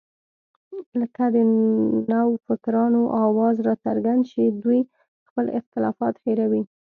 که د نوفکرانو اواز راڅرګند شي، دوی خپل اختلافات هېروي